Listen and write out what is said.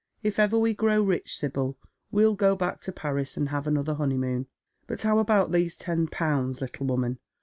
If ever we grow rich, Sibyl, we'll go back to Paris and have another honey moon. But how about these ten pounds, little woman